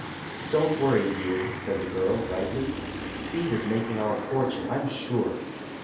"Don't worry, dear," said the girl, brightly. "Steve is making our fortune, I'm sure."